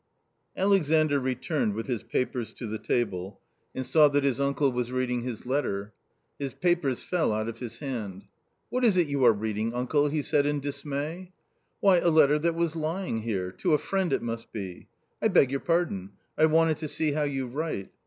Alexandr returned with his papers to the table, and saw A COMMON STORY 49 that his uncle was reading his letter. His papers fell out of his hand. " What is it you are reading, uncle ?" he said in dismay. " Why a letter that was lying here ; to a friend, it must be. I beg your pardon — I wanted to see how you write."